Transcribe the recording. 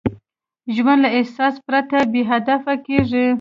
ژوند له اساس پرته بېهدفه کېږي.